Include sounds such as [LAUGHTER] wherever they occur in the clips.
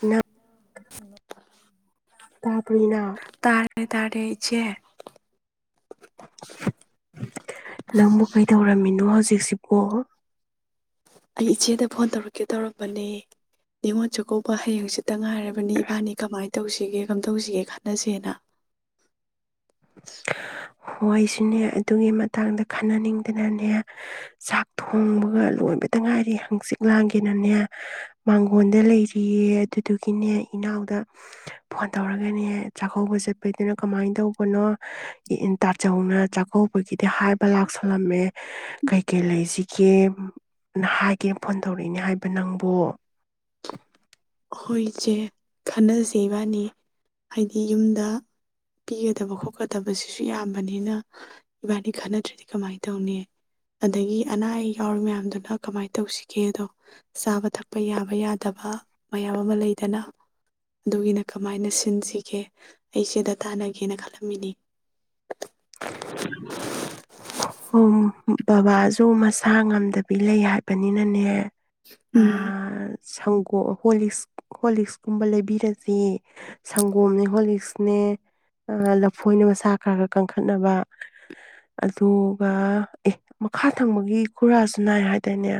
ꯅꯪ ꯇꯥꯕꯅꯤꯅ ꯇꯔꯦ ꯇꯔꯦ ꯆꯦ ꯅꯪꯕꯨ ꯀꯩꯗꯧꯔꯝꯃꯤꯅꯣ ꯍꯧꯖꯤꯛ ꯁꯤꯁꯤꯞꯀꯣ ꯑꯩ ꯏꯆꯦꯗ ꯐꯣꯟ ꯇꯧꯔꯛꯀꯦ ꯇꯧꯔꯝꯕꯅꯦ ꯅꯤꯉꯣ ꯆꯥꯛꯀꯧꯕ ꯍꯌꯦꯡ ꯆꯠꯇ ꯉꯥꯏꯔꯕꯅꯤ ꯏꯕꯥꯅꯤ ꯀꯃꯥꯏꯅ ꯇꯧꯁꯤꯒꯦ ꯀꯔꯝ ꯇꯧꯁꯤꯒꯦ ꯈꯟꯅꯁꯦꯅ [UNINTELLIGIBLE] ꯍꯣꯏꯁꯤꯅꯦ ꯑꯗꯨꯒꯤ ꯃꯇꯥꯡꯗ ꯈꯟꯅꯅꯤꯡꯗꯅꯅꯦ ꯆꯥꯛ ꯊꯣꯡꯕꯒ ꯂꯣꯏꯕꯗ ꯉꯥꯏꯔꯤ ꯍꯪꯆꯤꯛ ꯂꯥꯡꯒꯦꯅꯅꯦ ꯃꯥꯡꯒꯣꯟꯗ ꯂꯩꯔꯤ ꯄꯤꯌꯦ ꯑꯗꯨꯗꯨꯒꯤꯅꯦ ꯏꯅꯥꯎꯗ ꯐꯣꯟ ꯇꯧꯔꯒꯅꯦ ꯆꯥꯛꯀꯧꯕ ꯆꯠꯄꯩꯗꯨꯅ ꯀꯃꯥꯏꯅ ꯇꯧꯕ ꯑꯩ ꯀꯈꯣꯏꯅꯣ ꯏꯟ ꯇꯥꯆꯧꯅ ꯆꯥꯛꯀꯧꯕꯒꯤꯗꯤ ꯍꯥꯏꯕ ꯂꯥꯛꯁꯜꯂꯝꯃꯦ ꯀꯩꯀꯩ ꯂꯩꯁꯤꯒꯦꯅ ꯍꯥꯏꯒꯦ ꯐꯣꯟ ꯇꯧꯔꯛꯏꯅꯦ ꯍꯥꯏꯕ ꯅꯪꯕꯨ ꯍꯈꯣꯏ ꯏꯆꯦ ꯈꯟꯅꯁꯦ ꯏꯕꯥꯅꯤ ꯍꯥꯏꯗꯤ ꯌꯨꯝꯗ ꯄꯤꯒꯗꯕ ꯈꯣꯠꯀꯗꯕꯁꯤꯁꯨ ꯌꯥꯝꯕꯅꯤꯅ ꯏꯕꯥꯅꯤ ꯈꯟꯅꯗ꯭ꯔꯗꯤ ꯀꯃꯥꯏꯅ ꯇꯧꯅꯤ ꯑꯗꯒꯤ ꯑꯅꯥ ꯑꯌꯦꯛ ꯌꯥꯎꯔꯤ ꯃꯌꯥꯝꯗꯨꯅ ꯀꯃꯥꯏꯅ ꯇꯧꯁꯤꯒꯦꯗꯣ ꯆꯥꯕ ꯊꯛꯄ ꯌꯥꯕ ꯌꯥꯗꯕ ꯃꯌꯥꯝ ꯑꯃ ꯂꯩꯗꯅ ꯑꯗꯨꯒꯤꯅ ꯀꯃꯥꯏꯅ ꯁꯤꯟꯁꯤꯒꯦ ꯑꯩꯁꯤꯦꯗ ꯇꯥꯟꯅꯒꯦꯅ ꯈꯜꯂꯝꯃꯤꯅꯤ ꯑꯣ ꯕꯕꯥꯁꯨ ꯃꯁꯥ ꯉꯝꯗꯕꯤ ꯂꯩ ꯍꯥꯏꯕꯅꯤꯅꯅꯦ ꯎꯝ ꯁꯪꯒꯣ ꯍꯣꯁ ꯍꯣꯂꯤꯛꯁꯀꯨꯝꯕ ꯂꯩꯕꯤꯔꯁꯦ ꯁꯪꯒꯣꯝꯅꯦ ꯍꯣꯂꯤꯛꯁꯅꯦ ꯑ ꯂꯐꯣꯏꯅ ꯃꯁꯥ ꯀꯔꯦ ꯊ ꯈꯠꯅꯕ ꯑꯗꯨꯒ ꯑꯦ ꯃꯈꯥ ꯊꯪꯕꯒꯤ ꯈꯨꯔꯥꯁꯨ ꯅꯥꯏ ꯍꯥꯏꯇꯥꯅꯦ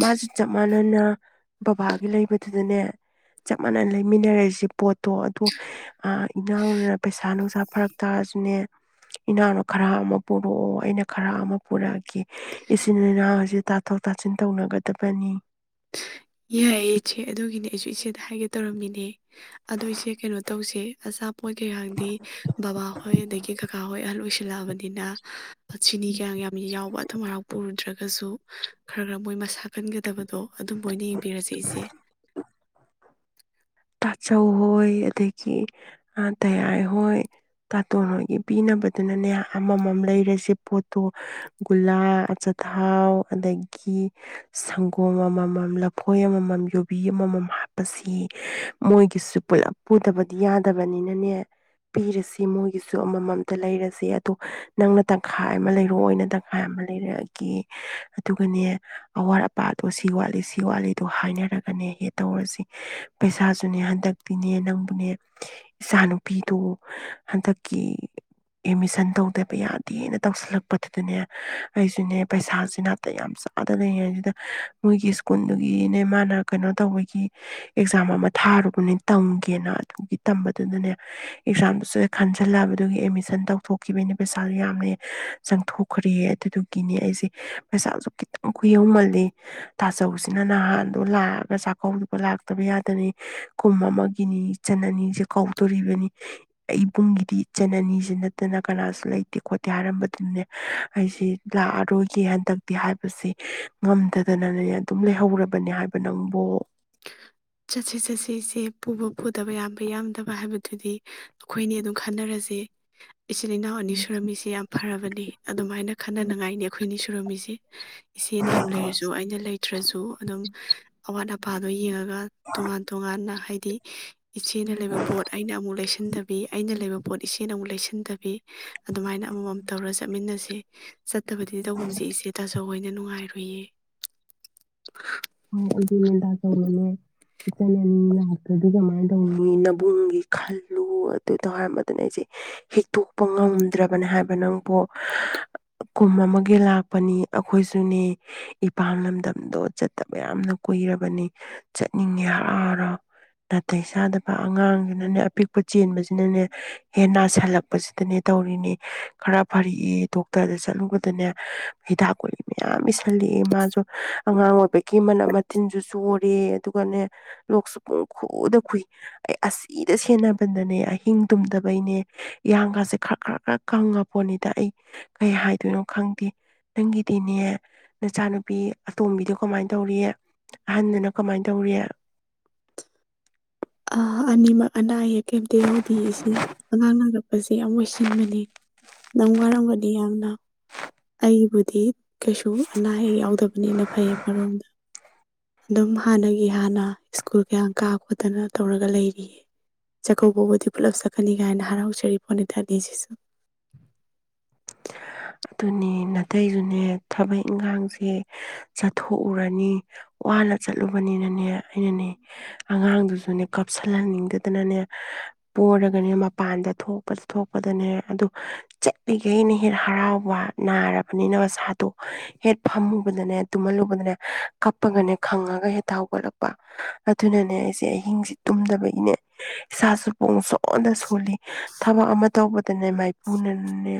ꯃꯥꯁꯨ ꯆꯞ ꯃꯥꯟꯅꯅ ꯕꯕꯥꯒꯤ ꯂꯩꯕꯗꯨꯗꯅꯦ ꯆꯞ ꯃꯥꯟꯅꯅ ꯂꯩꯃꯤꯟꯅꯔꯛꯏꯁꯦ ꯄꯣꯠꯇꯣ ꯑꯗꯣ ꯏꯉꯎꯅꯅ ꯄꯩꯁꯥ ꯅꯨꯡꯁꯥ ꯐꯔꯛ ꯇꯥꯔꯁꯨꯅꯦ ꯏꯅꯥꯎꯅꯨ ꯈꯔ ꯑꯃ ꯄꯨꯔꯛꯑꯣ ꯑꯩꯅ ꯈꯔ ꯑꯃ ꯄꯨꯔꯛꯑꯒꯦ ꯏꯆꯤꯟ ꯏꯅꯥꯎꯁ ꯇꯥꯊꯣꯛ ꯇꯥꯁꯤꯟ ꯇꯧꯅꯒꯗꯕꯅꯤ ꯌꯥꯏ ꯏꯆꯦ ꯑꯗꯨꯒꯤꯅꯦ ꯑꯩꯁꯨ ꯏꯆꯦꯗ ꯍꯥꯏꯒꯦ ꯇꯧꯔꯝꯃꯤꯅꯦ ꯑꯗꯣ ꯏꯆꯦ ꯀꯩꯅꯣ ꯇꯧꯁꯦ ꯑꯆꯥꯄꯣꯠ ꯀꯩꯀꯥꯡꯗꯤ ꯕꯕꯥꯍꯣꯏ ꯑꯗꯒꯤ ꯀꯀꯥ ꯍꯣꯏ ꯑꯍꯜ ꯑꯣꯏꯁꯜꯂꯛꯑꯕꯅꯤꯅ ꯆꯅꯤ ꯀꯌꯥꯝ ꯌꯥꯝꯃꯤ ꯌꯥꯎꯕ ꯑꯊꯪ ꯍꯔꯥꯛꯄ ꯅꯠꯇ꯭ꯔꯒꯁꯨ ꯈꯔ ꯈꯔ ꯃꯣꯏ ꯃꯁꯥ ꯀꯟꯒꯗꯕꯗꯣ ꯃꯣꯏꯅ ꯌꯦꯡꯕꯤꯔꯁꯦ ꯏꯆꯦ ꯇꯥꯆꯧ ꯍꯣꯏ ꯑꯗꯒꯤ ꯇꯌꯥꯥꯏ ꯍꯣꯏ ꯇꯥꯇꯣꯟ ꯍꯣꯏꯒꯤ ꯄꯤꯅꯕꯗꯨꯅꯅꯦ ꯑꯃꯃꯝ ꯂꯩꯔꯁꯦ ꯄꯣꯠꯇꯣ ꯒꯨꯜꯂꯥ ꯑꯆꯥꯊꯥꯎ ꯑꯗꯒꯤ ꯁꯪꯒꯣꯝ ꯑꯃꯃꯝ ꯂꯐꯣꯏ ꯑꯃꯃꯝ ꯌꯨꯕꯤ ꯑꯃꯃꯝ ꯍꯥꯞꯄꯁꯤ ꯃꯣꯏꯒꯤꯁꯨ ꯄꯨꯗꯕꯗꯤ ꯌꯥꯗꯕꯅꯤꯅꯅꯦ ꯄꯤꯔꯁꯤ ꯃꯣꯏꯒꯤꯁꯨ ꯑꯃꯃꯝꯇ ꯂꯩꯔꯁꯦ ꯑꯗꯣ ꯅꯪꯅ ꯇꯪꯈꯥꯏ ꯑꯃ ꯂꯩꯔꯣ ꯑꯣꯏꯅ ꯇꯪꯈꯥꯏ ꯑꯃ ꯂꯩꯔꯛꯑꯒꯦ ꯑꯗꯨꯒꯅꯦ ꯑꯋꯥꯠ ꯑꯄꯥꯗꯣ ꯁꯤ ꯋꯥꯠꯂꯤ ꯁꯤ ꯋꯥꯠꯂꯤꯗꯣ ꯍꯥꯏꯅꯔꯒꯅꯦ ꯍꯦ ꯇꯧꯔꯁꯤ ꯄꯩꯁꯥꯁꯨ ꯑꯗꯨꯨꯅꯦ ꯍꯟꯗꯛꯇꯤꯅꯦ ꯅꯪꯕꯨꯅꯦ ꯏꯆꯥ ꯅꯨꯨꯄꯤꯗꯨꯣ ꯍꯟꯗꯛꯀꯤ ꯑꯦꯠꯃꯤꯁꯟ ꯇꯧꯗꯕ ꯌꯥꯗꯦꯅ ꯇꯧꯁꯜꯂꯛꯄꯗꯨꯗꯅꯦ ꯑꯩꯁꯨꯅꯦ ꯄꯩꯁꯥꯁꯤ ꯅꯥꯇ ꯌꯥꯝ ꯆꯥꯗꯅ ꯂꯩꯔ ꯑꯗꯨꯗ ꯃꯣꯏꯒꯤ ꯁ꯭ꯀꯨꯜꯗꯨꯒꯤꯅꯦ ꯃꯥꯅ ꯀꯩꯅꯣ ꯇꯧꯕꯒꯤ ꯑꯦꯛꯖꯥꯝ ꯑꯃ ꯊꯥꯔꯨꯕꯅꯤ ꯇꯝꯒꯦꯅ ꯑꯗꯨꯒꯤ ꯇꯝꯕꯗꯨꯅꯅꯦ ꯑꯦꯛꯖꯥꯝꯗꯨꯁꯨ ꯈꯟꯖꯜꯂꯛꯑꯕꯗꯨꯒꯤ ꯑꯦꯗꯃꯤꯁꯟ ꯇꯧꯊꯣꯛꯈꯤꯕꯒꯤꯅꯦ ꯄꯩꯁꯥꯁꯨ ꯌꯥꯝꯅ ꯆꯪꯊꯣꯛꯈ꯭ꯔꯦꯌꯦ ꯑꯗꯨꯗꯨꯒꯤꯅꯦ ꯑꯩꯁꯦ ꯄꯩꯁꯥꯁꯨ ꯈꯤꯇꯪ ꯀꯨꯍꯧꯃꯜꯂꯤ ꯇꯥꯆꯧꯁꯤꯅ ꯅꯍꯥꯟꯗꯣ ꯂꯥꯛꯑꯒ ꯆꯥꯛꯀꯧꯗꯨꯒ ꯂꯥꯛꯇꯕ ꯌꯥꯗꯅꯤ ꯀꯨꯝ ꯑꯃꯒꯤꯅꯤ ꯏꯆꯟ ꯑꯅꯤꯁꯦ ꯀꯧꯗꯣꯔꯤꯕꯅꯤꯕꯨꯡꯒꯤꯗꯤ ꯏꯆꯟ ꯑꯅꯤꯁꯤꯦ ꯅꯠꯇꯅ ꯀꯅꯥꯁꯨ ꯂꯩꯇꯦ ꯈꯣꯠꯇꯦ ꯍꯥꯏꯔꯝꯕꯗꯨꯅꯦ ꯑꯩꯁꯤꯦ ꯂꯥꯛꯑꯔꯣꯏꯒꯦ ꯍꯟꯗꯛꯇꯤ ꯍꯥꯏꯕꯁꯦ ꯉꯝꯗꯗꯅꯅꯦ ꯑꯗꯨꯝ ꯂꯩꯍꯧꯔꯕꯅꯦ ꯍꯥꯏꯕ ꯅꯪꯕꯨꯣ ꯆꯠꯁꯤ ꯆꯠꯁꯤ ꯏꯁꯦ ꯄꯨꯕ ꯐꯨꯗꯕ ꯌꯥꯝꯕ ꯌꯥꯝꯗꯕ ꯍꯥꯏꯕꯗꯨꯗꯤ ꯑꯩꯈꯣꯏꯅꯤ ꯑꯗꯨꯝ ꯈꯟꯅꯔꯁꯦ ꯏꯆꯤꯜ ꯏꯅꯥꯎ ꯑꯅꯤ ꯁꯨꯔꯝꯃꯤꯁꯤ ꯌꯥꯝ ꯐꯔꯕꯅꯤ ꯑꯗꯨꯃꯥꯏꯅ ꯈꯟꯅꯅꯤꯡꯉꯥꯏꯅꯤ ꯑꯩꯈꯣꯏꯅꯤ ꯀ꯭ꯔꯣꯃꯤꯁꯤ ꯏꯆꯦꯅ ꯌꯥꯝ ꯂꯩꯔꯁꯨ ꯑꯩꯅ ꯂꯩꯇ꯭ꯔꯁꯨ ꯑꯗꯨꯝ ꯑꯋꯥꯠ ꯑꯄꯥ ꯑꯣꯏ ꯇꯣꯉꯥꯟ ꯇꯣꯉꯥꯟꯅ ꯍ ꯑꯃꯗꯤ ꯏꯆꯦꯅ ꯂꯩꯕ ꯄꯣꯠ ꯑꯩꯅ ꯑꯃꯨꯛ ꯂꯩꯁꯤꯟꯗꯕꯤ ꯑꯩꯅ ꯂꯩꯕ ꯄꯣꯠ ꯏꯆ ꯀꯦꯅ ꯑꯃꯨꯛ ꯂꯩꯁꯤꯟꯗꯕꯤ ꯑꯗꯨꯃꯥꯏꯅ ꯑꯃꯃꯝ ꯇꯧꯔ ꯆꯠꯃꯤꯟꯅꯁꯤ ꯆꯠꯇꯕꯗꯤ ꯇꯧꯐꯝꯨꯝꯁꯦ ꯏꯆꯦ ꯇꯆꯧꯣꯏꯅꯤ ꯅꯨꯡꯉꯥꯏꯔꯨꯏꯌꯦ ꯍꯣꯏ ꯑꯗꯨꯦꯟꯗꯥ ꯇꯅꯦ ꯏꯆꯟꯅꯤ ꯂꯛꯇꯗꯤ ꯀꯃꯥꯏꯅ ꯇꯧꯅꯤ ꯅꯕꯨꯡꯒꯤ ꯈꯜꯂꯨ ꯑꯗꯨꯗꯣ ꯍꯥꯏꯔꯝꯕꯗꯨꯅꯦ ꯑꯩꯁꯦ ꯍꯤꯛꯇꯣꯛꯄ ꯉꯝꯗ꯭ꯔꯕꯅꯦ ꯍꯥꯏꯕ ꯅꯪꯕꯨ ꯀꯨꯝ ꯑꯃꯒꯤ ꯂꯥꯛꯄꯅꯤ ꯑꯩꯈꯣꯏꯁꯨꯅꯦ ꯏꯄꯥꯝ ꯂꯝꯗꯝꯗꯣ ꯆ ꯌꯥꯝꯌꯥꯝꯅ ꯀꯨꯏꯔꯕꯅꯤ ꯆꯠꯅꯤꯡꯉꯦ ꯍꯔꯥꯎꯔꯣ ꯅꯥꯇꯩ ꯆꯥꯗꯕ ꯑꯉꯥꯡꯁꯤꯅꯅꯦ ꯑꯄꯤꯛꯄ ꯆꯦꯟꯕꯁꯤꯅꯅꯦ ꯍꯦ ꯅꯥꯁꯤꯜꯂꯛꯄꯁꯤꯗꯅꯦ ꯇꯧꯔꯤꯅꯦ ꯈꯔ ꯐꯔꯛꯑ ꯗꯣꯛꯇꯔꯗ ꯆꯠꯂꯨꯕꯗꯅꯦ ꯍꯤꯗꯥꯛ ꯀꯨꯂꯤ ꯃꯌꯥꯝ ꯏꯁꯜꯂꯛꯑꯦ ꯃꯥꯁꯨ ꯑꯉꯥꯡ ꯑꯣꯏꯕ ꯀ ꯃꯅꯥꯝ ꯃꯊꯤꯟꯁꯨ ꯆꯨꯔꯦ ꯑꯗꯨꯒꯅꯦ ꯂꯣꯛꯁꯨ ꯄꯨꯡ ꯈꯨꯗ ꯈꯨꯏ ꯑꯁꯤꯗ ꯁꯦꯟꯅꯕꯗꯅꯦ ꯑꯍꯤꯡ ꯇꯨꯝꯗꯕꯩꯅꯦ ꯏꯍꯥꯡꯒꯥꯁꯦ ꯈꯔ ꯈꯔ ꯈꯔ ꯀꯪꯉꯄꯣꯠꯅꯤꯗ ꯑꯩ ꯀꯩ ꯍꯥꯏꯗꯣꯏꯅꯣ ꯈꯪꯗꯦ ꯅꯪꯒꯤꯗꯤꯅꯦ ꯅꯆꯥꯅꯨꯄꯤ ꯑꯇꯣꯝꯕꯤꯗꯤ ꯀꯃꯥꯏꯅ ꯇꯧꯔꯤꯌꯦ ꯑꯍꯟꯗꯨꯅ ꯀꯃꯥꯏꯅ ꯇꯧꯔꯤꯌꯦ ꯑ ꯑꯅꯤꯃꯛ ꯑꯅꯥ ꯑꯌꯦꯛ ꯀꯩꯞꯇ ꯌꯥꯎꯗꯦ ꯏꯁꯤ ꯑꯉꯥꯡꯅ ꯁ ꯌꯥꯝ ꯑꯣꯏꯣꯏꯁꯤꯟꯕꯅꯤ ꯅꯪ ꯋꯥꯔꯝꯒꯗꯤ ꯌꯥꯝꯅ ꯑꯩꯕꯨꯗꯤ ꯀꯩꯁꯨ ꯑꯅꯥ ꯑꯌꯦꯛ ꯌꯥꯎ ꯕꯅꯤꯅ ꯐꯩꯌꯦ ꯃꯔꯔꯣꯝꯗ ꯑꯗꯨꯝ ꯍꯥꯟꯅꯒꯤ ꯍꯥꯟꯅ ꯁ꯭ꯀꯨꯜ ꯀꯌꯥ ꯀꯥ ꯈꯣꯠꯇꯅ ꯇꯧꯔꯒ ꯂꯩꯔꯤꯌꯦ ꯆꯥꯛꯀꯧꯕꯕꯨꯗꯤ ꯄꯨꯂꯞ ꯆꯠꯀꯅꯤ ꯀꯥꯏꯅ ꯍꯔꯥꯎꯖꯔꯤ ꯄꯣꯅꯤꯇꯥꯅꯤꯁꯤꯁꯨ ꯑꯗꯨꯅꯦ ꯅꯥꯇꯩꯁꯨꯅꯦ ꯊꯕꯛ ꯏꯪꯈꯥꯡꯁꯦ ꯆꯠꯊꯣꯛꯎꯔꯅꯤ ꯋꯥꯅ ꯆꯠꯂꯨꯕꯅꯤꯅꯅꯦ ꯑꯩꯅꯅꯦ ꯑꯉꯥꯡꯗꯨꯁꯨꯅꯦ ꯀꯥꯞꯁꯤꯜꯍꯟꯅꯤꯡꯗꯗꯅꯅꯦ ꯄꯔꯒꯅꯦ ꯃꯄꯥꯟꯗ ꯊꯣꯛꯄ ꯊꯣꯛꯄꯗꯅꯦ ꯑꯗꯨ ꯆꯠꯂꯤ ꯩꯅ ꯍꯦꯠ ꯍꯔꯥꯎꯕ ꯅꯥꯔꯕꯅꯤꯅꯁꯥꯗꯣ ꯍꯦꯠ ꯐꯝꯃꯨꯕꯗꯅꯦ ꯇꯨꯝꯍꯜꯂꯨꯕꯗꯅꯦ ꯀꯞꯄꯒꯅꯦ ꯈꯪꯉꯒ ꯍꯦ ꯊꯥꯎꯒꯠꯂꯛꯄ ꯑꯗꯨꯅꯅꯦ ꯑꯩꯁꯦ ꯑꯍꯤꯡꯁꯦ ꯇꯨꯝꯗꯕꯒꯤꯅꯦ ꯏꯁꯥꯁꯨ ꯄꯣꯡꯁꯨꯣꯛ ꯑꯣꯗ ꯁꯣꯜꯂꯤ ꯊꯕꯛ ꯑꯃ ꯇꯧꯕꯗꯅꯦ ꯃꯥꯏꯄꯨꯅꯅꯦ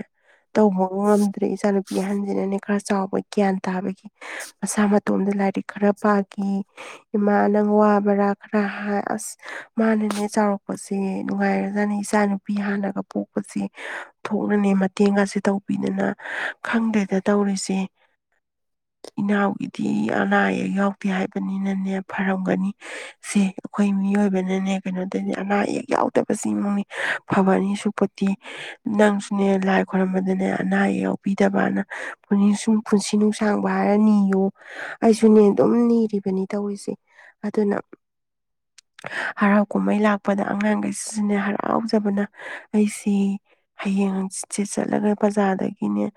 ꯇꯧꯕ ꯉꯝꯗ꯭ꯔꯦ ꯏꯆꯥꯅꯨꯄꯤ ꯑꯍꯟꯁꯤꯅꯅꯦ ꯈꯔ ꯆꯥꯎꯕ ꯒ꯭ꯌꯥꯟ ꯇꯥꯕꯒꯤ ꯃꯁꯥ ꯃꯇꯣꯝꯗ ꯂꯥꯏꯔꯤꯛ ꯈꯔ ꯄꯥꯈꯤ ꯏꯃꯥ ꯅꯪ ꯋꯥ ꯕꯔꯥ ꯈꯔ ꯍꯥꯏ ꯑꯁ ꯃꯥꯅꯅꯦ ꯆꯥꯎꯔꯛꯄꯁꯦ ꯅꯨꯡꯉꯥꯏꯔꯖꯥꯠꯅꯦ ꯏꯆꯥꯅꯨꯄꯤ ꯍꯥꯟꯅꯒ ꯄꯣꯛꯄꯁꯤ ꯊꯣꯛꯅꯅꯦ ꯇꯦꯡꯒꯁꯦ ꯇꯧꯕꯤꯗꯅ ꯈꯪꯗꯦꯗ ꯇꯧꯔꯤꯁꯦ ꯏꯅꯥꯎꯒꯤꯗꯤ ꯑꯅꯥ ꯑꯌꯦꯛ ꯌꯥꯎꯗꯦ ꯍꯥꯏꯕꯅꯤꯅꯅꯦ ꯐꯔꯝꯒꯅꯤ ꯁꯤ ꯑꯩꯈꯣꯏ ꯃꯤꯑꯣꯏꯕꯅꯅꯦ ꯀꯩꯅꯣꯗꯗꯤ ꯑꯅꯥ ꯑꯌꯦꯛ ꯌꯥꯎꯗꯕꯁꯤ ꯏꯃꯨꯡꯅꯤ ꯐꯕꯅꯤ ꯁꯨꯄꯗꯤ ꯅꯪꯁꯨꯅꯦ ꯂꯥꯏꯛ ꯈꯔꯝꯕꯗꯅꯦ ꯑꯅꯥ ꯑꯌꯦꯛꯎꯕꯤꯗꯕꯅ ꯁꯨꯝ ꯄꯨꯟꯁꯤ ꯅꯨꯡꯁꯥꯡꯕ ꯍꯥꯏꯔ ꯅꯤ ꯌꯣꯛ ꯑꯩꯁꯨꯅꯦ ꯑꯗꯨꯝ ꯅꯤꯔꯤꯕꯅꯤ ꯇꯧꯔꯤꯁꯦ ꯑꯗꯨꯅ ꯍꯔꯥꯎ ꯀꯨꯝꯍꯩ ꯂꯥꯛꯄꯗ ꯑꯉꯥꯡꯈꯩ ꯁꯤꯁꯤꯅꯦ ꯍꯔꯥꯎꯖꯕꯅ ꯑꯩꯁꯤ ꯍꯌꯦꯡ ꯁꯦ ꯆꯠꯂꯒ ꯕꯖꯥꯔꯗꯒꯤꯅꯦ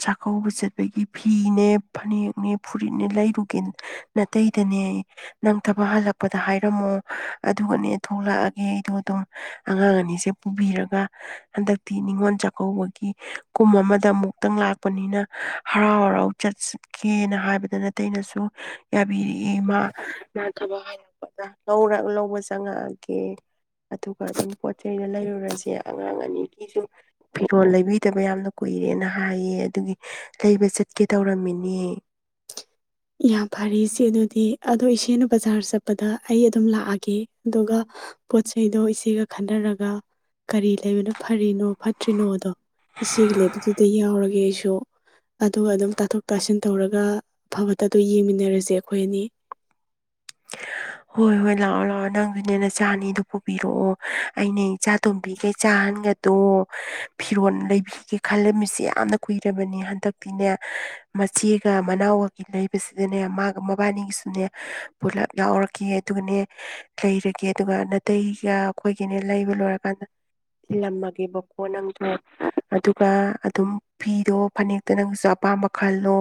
ꯆꯥꯛꯀꯧꯕ ꯆꯠꯄꯒꯤ ꯐꯤꯅꯦ ꯐꯅꯦꯛꯅꯦ ꯐꯨꯔꯤꯠꯅꯦ ꯂꯩꯔꯨꯒꯦ ꯅꯇꯩꯇꯅꯤ ꯅꯪ ꯊꯕꯛ ꯍꯜꯂꯛꯄꯗ ꯍꯥꯏꯔꯝꯃꯣ ꯑꯗꯨꯒꯅꯦ ꯊꯣꯛꯂꯛꯑꯒꯦ ꯑꯩꯗꯣ ꯑꯗꯨꯝ ꯑꯉꯥꯡ ꯑꯅꯤꯁꯦ ꯄꯨꯕꯤꯔꯒ ꯍꯟꯗꯛꯇꯤ ꯅꯤꯉꯣꯜ ꯆꯥꯛꯀꯧꯕꯒꯤ ꯀꯨꯝ ꯑꯃꯗ ꯑꯃꯨꯛꯇꯪ ꯂꯥꯛꯄꯅꯤꯅ ꯍꯔꯥꯎ ꯍꯔꯥꯎ ꯆꯠꯠꯀꯦꯅ ꯍꯥꯏꯕꯗꯅꯇꯩꯩꯅꯁꯨ ꯌꯥꯕꯤꯔꯛꯑꯦ ꯏꯃ ꯊꯕꯛ ꯍꯥꯏꯔꯛꯄꯗ ꯂꯧꯕ ꯆꯪꯉꯛꯑꯒꯦ ꯑꯗꯨꯒ ꯑꯗꯨꯝ ꯄꯣꯠ ꯆꯩꯗ ꯂꯩꯔꯨꯔꯁꯦ ꯑꯉꯥꯡ ꯑꯅꯤ ꯒꯤꯁꯨ ꯐꯤꯔꯣꯜ ꯂꯩꯕꯤꯗꯕ ꯌꯥꯝꯅ ꯀꯨꯏꯔꯦꯅ ꯍꯥꯏꯌꯦ ꯑꯗꯨꯒꯤ ꯂꯩꯕ ꯆꯠꯀꯦ ꯇꯧꯔꯝꯃꯤꯅꯦ ꯌꯥꯝ ꯐꯔꯦ ꯏꯆꯦ ꯑꯗꯨꯗꯤ ꯑꯗꯣ ꯏꯆꯦꯅ ꯕꯖꯥꯔ ꯆꯠꯄꯗ ꯑꯩ ꯑꯗꯨꯝ ꯂꯥꯛꯑꯒꯦ ꯑꯗꯨꯒ ꯄꯣꯠꯆ ꯆꯩꯗꯣ ꯏꯆꯦꯒ ꯈꯟꯅꯔꯒ ꯀꯔꯤ ꯂꯩꯕꯅꯣ ꯐꯔꯤꯅꯣ ꯐꯠꯇ꯭ꯔꯤꯅꯣꯗꯣ ꯏꯆꯦꯒꯤ ꯂꯩꯕꯗꯨꯗ ꯌꯥꯎꯔꯒꯦ ꯑꯩꯁꯨ ꯑꯗꯨꯒ ꯑꯗꯨꯝ ꯇꯥꯊꯣꯛ ꯇꯥꯁꯤꯟ ꯇꯧꯔꯒ ꯑꯐꯕꯠꯇ ꯑꯗꯨ ꯌꯦꯡꯃꯤꯟꯅꯔꯁꯦ ꯑꯩꯈꯣꯏ ꯑꯅꯤ ꯍꯣꯏ ꯍꯣꯏ ꯂꯥꯛꯑꯣ ꯂꯥꯛꯑꯣ ꯅꯪꯗꯨꯅꯦꯅꯦ ꯆꯥ ꯑꯅꯤꯗꯨ ꯄꯨꯕꯤꯔꯛꯑꯣ ꯑꯩꯅ ꯏꯆꯥ ꯇꯣꯝꯕꯤꯒ ꯆꯥꯍꯟꯒꯗꯣ ꯐꯤꯔꯣꯜ ꯂꯩꯕꯤꯒꯦ ꯈꯜꯂꯝꯃꯤꯁꯤꯦ ꯌꯥꯝꯅ ꯀꯨꯏꯔꯕꯅꯦ ꯍꯟꯗꯛꯇꯤꯅꯦ ꯃꯆꯦꯒ ꯃꯅꯥꯎꯒꯒꯤ ꯂꯩꯕꯁꯤꯗꯅꯦ ꯃꯥꯒ ꯃꯕꯥꯅꯤꯒꯤꯁꯨꯅꯦ ꯄꯨꯂꯞ ꯌꯥꯥꯎꯔꯛꯀꯦ ꯑꯗꯨꯒꯅꯦ ꯂꯩꯔꯒꯦ ꯑꯗꯨꯒ ꯅꯥꯇꯩꯒ ꯑꯩꯈꯣꯏꯒꯤꯅꯦ ꯂꯩꯕ ꯂꯣꯏꯔꯀꯥꯟꯗ ꯊꯤꯜꯂꯝꯃꯒꯦꯕꯀꯣ ꯅꯪꯗꯣ ꯑꯗꯨꯒ ꯑꯗꯨꯝ ꯐꯤꯗꯣ ꯐꯅꯦꯛꯇ ꯅꯪꯒꯤꯁꯨ ꯑꯄꯥꯝꯕ ꯈꯜꯂꯣ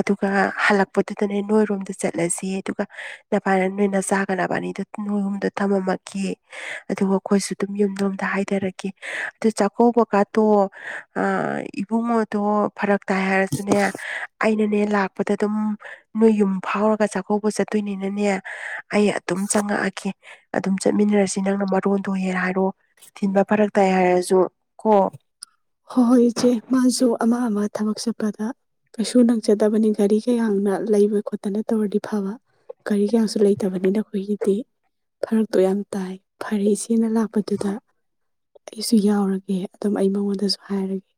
ꯑꯗꯨꯒ ꯍꯜꯂꯛꯄꯗꯨꯗꯅꯦ ꯅꯣꯏꯔꯣꯝꯗ ꯆꯠꯂꯁꯤ ꯑꯗꯨꯒ ꯅꯚꯥꯏꯅ ꯅꯣꯏ ꯅꯆꯥꯒ ꯅꯕꯅꯤꯗꯨ ꯅꯣꯏꯌꯨꯝꯗ ꯊꯝꯃꯝꯃꯒꯦ ꯑꯗꯨꯒ ꯑꯩꯈꯣꯏꯁꯨ ꯑꯗꯨꯝ ꯌꯨꯝ ꯌꯣꯝꯗ ꯍꯥꯏꯊꯔꯒꯦ ꯑꯗꯨ ꯆꯥꯛꯀꯧꯕ ꯀꯥꯠꯇꯣ ꯑꯥ ꯏꯕꯨꯡꯉꯣꯗꯣ ꯐꯔꯛ ꯇꯥꯏ ꯍꯥꯏꯔꯁꯨꯅꯦ ꯑꯩꯅꯅꯦ ꯂꯥꯛꯄꯗ ꯑꯗꯨꯝ ꯅꯣꯏ ꯌꯨꯝ ꯐꯥꯎꯔꯒ ꯆꯥꯛꯀꯧꯕ ꯆꯠ ꯇꯨꯅꯤꯅꯅꯦ ꯑꯩ ꯑꯗꯨꯝ ꯆꯪꯉꯛꯑꯒꯦ ꯑꯗꯨꯝ ꯆꯠꯃꯤꯟꯅꯔꯁꯤ ꯅꯪꯅ ꯃꯔꯣꯟꯗꯣ ꯍꯦꯛ ꯍꯥꯏꯔꯛꯑꯣ ꯊꯤꯟꯕ ꯐꯔꯛ ꯇꯥꯏ ꯍꯥꯏꯔꯁꯨ ꯀꯣ ꯍꯣꯏ ꯍꯣꯏ ꯏꯆꯦ ꯃꯥꯁꯨ ꯑꯃ ꯑꯃ ꯊꯕꯛ ꯆꯠꯄꯗ ꯀꯩꯁꯨ ꯅꯪꯖꯗꯕꯅꯤ ꯒꯥꯔꯤ ꯀꯌꯥꯅ ꯂꯩꯕ ꯈꯣꯠꯇꯅ ꯇꯧꯔꯗꯤ ꯐꯕ ꯒꯥꯔꯤ ꯀꯌꯥꯁꯨ ꯂꯩꯇꯕꯅꯤꯅ ꯑꯩꯈꯣꯏꯒꯤꯗꯤ ꯐꯔꯛꯇꯣ ꯌꯥꯝ ꯇꯥꯏ ꯐꯔꯦ ꯏꯆꯦ ꯅꯪꯅ ꯂꯥꯛꯄꯗꯨꯗ ꯑꯩꯁꯨ ꯌꯥꯎꯔꯒꯦ ꯑꯗꯨꯝ ꯑꯩ ꯃꯉꯣꯟꯗꯁꯨ ꯍꯥꯏꯔꯒꯦ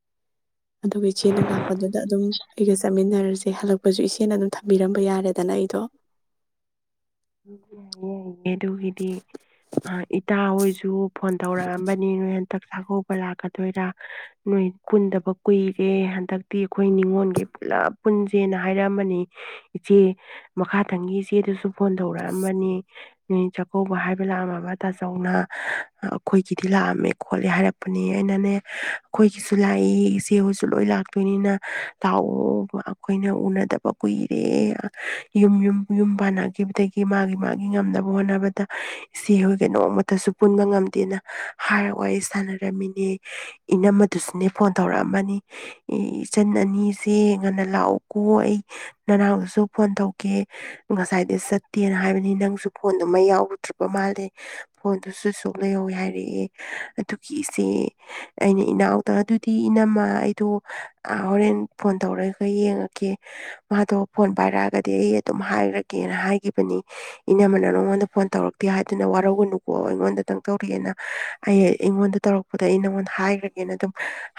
ꯑꯗꯨꯒ ꯏꯆꯦꯅ ꯂꯥꯛꯄꯗꯨꯗ ꯑꯗꯨꯝ ꯑꯩꯒ ꯆꯠꯃꯤꯟꯅꯔꯁꯤ ꯁꯦ ꯍꯜꯂꯛꯄꯁꯨ ꯏꯆꯦꯅ ꯑꯗꯨꯝ ꯊꯝꯕꯤꯔꯝꯕ ꯌꯥꯔꯦꯗꯅ ꯑꯩꯗꯣ ꯌꯥꯌꯦ ꯌꯥꯏ ꯑꯗꯨꯒꯤꯗꯤ ꯏꯇꯥ ꯍꯣꯏꯁꯨ ꯐꯣꯟ ꯇꯧꯔꯛꯑꯝꯕꯅꯤ ꯅꯣꯏ ꯆꯥꯛꯀꯧꯕ ꯂꯥꯛꯀꯗꯣꯏꯔꯥ ꯅꯣꯏ ꯄꯨꯟꯗꯕ ꯀꯨꯏꯔꯦ ꯍꯟꯗꯛꯇꯤ ꯑꯩꯈꯣꯏ ꯅꯤꯉꯣꯟꯜꯒꯤ ꯄꯨꯂꯞ ꯄꯨꯟꯁꯦꯅ ꯍꯥꯏꯔꯝꯕꯅꯤ ꯏꯆꯦ ꯃꯈꯥ ꯊꯪꯒꯤ ꯏꯆꯦꯗꯨꯁꯨ ꯐꯣꯟ ꯊꯧꯔꯛꯑꯃꯕꯅꯤ ꯆꯥꯛꯀꯧꯕ ꯍꯥꯏꯕ ꯂꯥꯛꯑꯝꯃꯕ ꯇꯥꯖꯧꯅ ꯑꯩꯈꯣꯏꯒꯤꯗꯤ ꯂꯥꯛꯑꯝꯃꯦ ꯈꯣꯠꯂꯦ ꯍꯥꯏꯔꯛꯄꯅꯦ ꯑꯩꯅꯅꯦ ꯑꯩꯈꯣꯏꯒꯤꯁꯨ ꯂꯥꯛꯏ ꯏꯆꯦ ꯍꯣꯏꯁꯨ ꯂꯣꯏ ꯂꯥꯛꯇꯣꯏꯅꯤꯅ ꯇꯥꯎꯑꯣꯕ ꯑꯩꯈꯣꯏꯅ ꯎꯅꯗꯕ ꯀꯨꯏꯔꯦ ꯌꯨꯝ ꯌꯨꯝ ꯌꯨꯝ ꯍꯧꯈꯤꯕꯗꯒꯤ ꯃꯥꯒꯤ ꯃꯥꯒꯤ ꯉꯝꯅꯕ ꯍꯣꯠꯅꯕꯗ ꯏꯆꯦ ꯍꯣꯏꯒ ꯅꯣꯡꯃꯇꯁꯨ ꯄꯨꯟꯕ ꯉꯝꯗꯦꯅ ꯍꯥꯏꯔꯒꯑꯣ ꯑꯩ ꯁꯥꯟꯅꯔꯝꯃꯤꯅꯦ ꯏꯅꯝꯃ ꯑꯗꯨꯁꯨꯅꯦ ꯐꯣꯟ ꯇꯧꯔꯛꯑꯃꯅꯤ ꯏ ꯏꯆꯟ ꯑꯅꯤꯁꯦ ꯉꯟꯅ ꯂꯥꯛꯎ ꯀꯣ ꯑꯩ ꯅꯔꯥꯡꯗꯨꯁꯨ ꯐꯣꯟ ꯇꯧꯒꯦ ꯉꯁꯥꯏ ꯏ ꯆꯠꯇꯦꯅ ꯍꯥꯏꯕꯅꯤ ꯅꯪꯁꯨ ꯐꯣꯟꯗꯨꯃ ꯌꯥꯎꯔꯨꯗ꯭ꯔꯤꯕ ꯃꯥꯜꯂꯦ ꯐꯣꯟꯗꯨꯁꯨ ꯁꯨ ꯂꯩꯍꯧꯋꯦ ꯍꯥꯏꯔꯛꯑꯦ ꯑꯗꯨꯒꯤ ꯏꯆꯦ ꯑꯩꯅ ꯏꯅꯥꯎꯗ ꯑꯗꯨ ꯗꯤ ꯏꯅꯝꯃ ꯑꯩꯗꯣ ꯍꯣꯔꯦꯟ ꯐꯣꯟ ꯇꯧꯔꯒ ꯌꯦꯡꯉꯒꯦ ꯃꯥꯗꯣ ꯐꯣꯟ ꯄꯥꯏꯔꯛꯑꯒꯗꯤ ꯑꯩ ꯑꯗꯨꯝ ꯍꯥꯏꯔ ꯒꯦꯅ ꯍꯥꯏꯒꯤꯈꯤꯕꯅꯤ ꯏꯅꯃꯅ ꯅꯪꯉꯣꯟꯗ ꯐꯣꯟ ꯇꯧꯔꯛꯇꯦ ꯍꯥꯏꯗꯨꯅ ꯋꯥꯔꯧꯒꯅꯨꯀꯣꯛꯑꯣ ꯑꯩꯉꯣꯟꯗꯇꯪ ꯇꯧꯔꯤꯑꯦꯅ ꯑꯩ ꯑꯩꯉꯣꯟꯗ ꯇꯧꯔꯛꯄꯗ ꯑꯩ ꯅꯪꯉꯣꯟꯗ ꯍꯥꯏꯈ꯭ꯔꯒꯦꯅ ꯑꯗꯨꯝ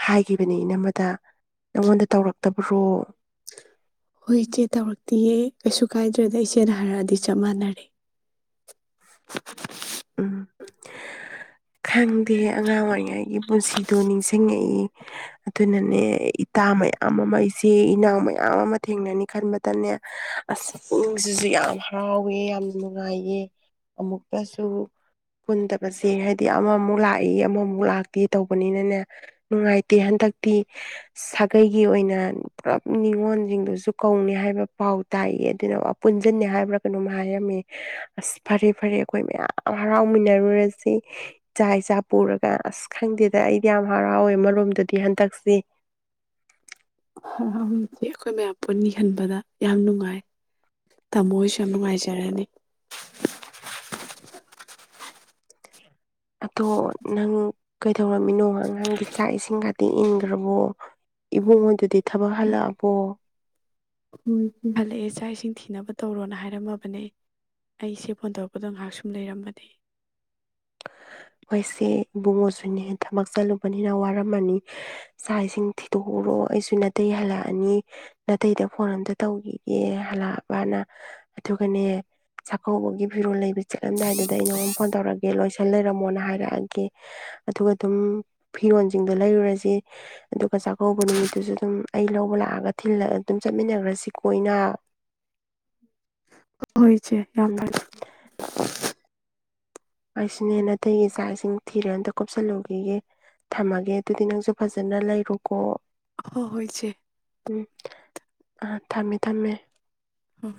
ꯍꯥꯏꯒꯤꯈꯤꯕꯅꯤ ꯏꯅꯝꯃꯗ ꯅꯪꯉꯣꯟꯗ ꯇꯧꯔꯛꯇꯕ꯭ꯔꯣ ꯍꯣꯏ ꯏꯆꯦ ꯇꯧꯔꯛꯇꯤꯌꯦ ꯀꯩꯁꯨ ꯀꯥꯏꯗ꯭ꯔꯦꯗ ꯏꯆꯦꯅ ꯍꯥꯏꯔꯛꯑꯗꯤ ꯆꯞ ꯃꯥꯟꯅꯔꯦ ꯎꯝ ꯈꯪꯗꯦ ꯑꯉꯥꯡ ꯑꯣꯏꯔꯤꯉꯩꯒꯤ ꯄꯨꯟꯁꯤꯗꯣ ꯅꯤꯡꯁꯤꯡꯉꯛꯏ ꯑꯗꯨꯅꯅꯦ ꯏꯇꯥ ꯃꯌꯥꯝ ꯑꯃ ꯑꯩꯁꯦ ꯏꯅꯥꯎ ꯃꯌꯥꯝ ꯑꯃ ꯊꯦꯡꯅꯅꯤ ꯈꯟꯕꯇꯅꯦ ꯑꯁꯤꯡꯁꯤꯁꯨ ꯌꯥꯝ ꯍꯥꯎꯋꯦ ꯌꯥꯝ ꯅꯨꯡꯉꯥꯏꯌꯦ ꯑꯃꯨꯀ ꯑꯗꯨ ꯍꯨꯟꯗꯕꯁꯦ ꯍꯥꯏ ꯗꯤ ꯑꯃꯃꯨꯛ ꯂꯥꯛꯏ ꯑꯃꯃꯨꯛ ꯂꯥꯛꯇꯦ ꯇꯧꯕꯅꯤꯅꯅꯦ ꯅꯨꯡꯉꯥꯏꯇꯦ ꯍꯟꯗꯛꯇꯤ ꯁꯥꯒꯩꯒꯤ ꯑꯣꯏꯅ ꯄꯨꯂꯞ ꯅꯤꯉꯣꯟꯜꯁꯤꯡꯗꯨꯁꯨ ꯀꯧꯅꯤ ꯍꯥꯏꯕ ꯄꯥꯎ ꯇꯥꯏꯌꯦ ꯑꯗꯨꯅ ꯄꯨꯟꯁꯤꯟꯅꯦ ꯍꯥꯏꯕ꯭ꯔꯥ ꯀꯩꯅꯣꯝ ꯍꯥꯏꯔꯝꯃꯦ ꯑꯁ ꯐꯔꯦ ꯐꯔꯦ ꯑꯩꯈꯣꯏ ꯃꯌꯥꯝ ꯌꯥꯝ ꯍꯔꯥꯎꯃꯤꯟꯅꯔꯨꯔꯁꯤ ꯏꯆꯥꯛꯏꯆꯥ ꯄꯨꯔꯒ ꯑꯁ ꯈꯪꯗꯦꯗ ꯑꯩꯗꯤ ꯌꯥꯝ ꯍꯔꯥꯎꯋꯦ ꯃꯔꯣꯝꯗꯗꯤ ꯍꯟꯗꯛꯁꯦ ꯑꯩꯈꯣꯏ ꯃꯌꯥꯝ ꯄꯨꯟꯅꯤ ꯈꯟꯕꯗ ꯌꯥꯝ ꯅꯨꯡꯉꯥꯏ ꯇꯥꯃꯣ ꯍꯣꯏꯁꯨ ꯌꯥꯝ ꯅꯨꯡꯉꯥꯏꯖꯔꯅꯤ ꯑꯗꯣ ꯅꯪ ꯀꯩꯗꯧꯔꯝꯃꯤꯅꯣ ꯑꯉꯥꯡꯒꯤ ꯆꯥꯛ ꯏꯁꯤꯡ ꯈꯛꯇꯤ ꯏꯟꯈ꯭ꯔꯕꯣ ꯏꯕꯨꯡꯉꯣꯏꯗꯗꯤ ꯊꯕꯛ ꯍꯜꯂꯛꯑꯕꯣ ꯎꯝ ꯍꯜꯂꯛꯑꯦ ꯆꯥꯛ ꯏꯁꯤꯡ ꯊꯤꯅꯕ ꯇꯧꯔꯣꯅ ꯍꯥꯏꯔꯝꯃꯕꯅꯦ ꯑꯩꯁꯦ ꯐꯣꯟ ꯇꯧꯔꯛꯄꯗꯣ ꯉꯥꯏꯍꯥꯛ ꯁꯨꯝ ꯂꯩꯔꯝꯕꯅꯤ ꯍꯣꯏꯁꯦ ꯏꯕꯨꯡꯉꯣꯁꯨꯅꯦ ꯊꯕꯛ ꯆꯠꯂꯨꯕꯅꯤꯅ ꯋꯥꯔꯝꯃꯅꯤ ꯆꯥꯛ ꯏꯁꯤꯡ ꯊꯤꯗꯣꯛꯎꯔꯣ ꯑꯩꯁꯨ ꯅꯥꯇꯩ ꯍꯜꯂꯛꯑꯅꯤ ꯅꯥꯇꯩꯗ ꯐꯣꯟ ꯑꯝꯇ ꯇꯧꯈꯤꯒꯦ ꯍꯜꯂꯛꯑꯕꯅ ꯑꯗꯨꯒꯅꯦ ꯆꯥꯛꯀꯧꯕꯒꯤ ꯐꯤꯔꯣꯜ ꯂꯩꯕ ꯆꯠꯂꯝꯗꯥꯏꯗꯨꯗ ꯑꯩꯅ ꯑꯃꯉ ꯐꯣꯟ ꯇꯧꯔꯛꯒꯦ ꯦ ꯂꯣꯏꯁꯟ ꯂꯩꯔꯝꯃꯣꯅ ꯍꯥꯏꯔꯛꯑꯒꯦ ꯑꯗꯨꯒ ꯑꯗꯨꯝ ꯐꯤꯔꯣꯁꯤꯡꯗꯣ ꯂꯩꯔꯨꯔꯁꯤ ꯑꯗꯨꯒ ꯆꯥꯛꯀꯧꯕ ꯅꯨꯃꯤꯠꯇꯨꯁꯨ ꯑꯗꯨꯝ ꯑꯩ ꯂꯧꯕ ꯂꯥꯛꯑꯒꯜꯂ ꯑꯗꯨꯝ ꯆꯠꯃꯤꯟꯅꯈ꯭ꯔꯁꯤ ꯀꯣꯏꯅ ꯍꯣꯏ ꯏꯆꯦ ꯌꯥꯝ ꯎꯝ ꯐꯔꯦ ꯑꯩꯁꯤꯅꯦ ꯑꯅꯥꯇꯩꯒꯤ ꯆꯥꯛ ꯏꯁꯤꯡ ꯊꯤꯔꯦ ꯑꯝꯇ ꯀꯨꯞꯁꯜꯂꯨꯈꯤꯒꯦ ꯊꯝꯃꯒꯦ ꯑꯗꯨꯗꯤ ꯅꯪꯁꯨ ꯐꯖꯅ ꯂꯩꯔꯨꯀꯣ ꯍꯁꯦ ꯎꯝ ꯑ ꯊꯝꯃꯦ ꯊꯝꯃꯦ ꯍꯣꯏ ꯍꯣꯏ